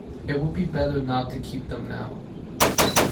It would be better not to keep them now.